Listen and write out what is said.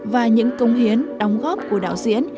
và những công hiến đóng góp của đạo diễn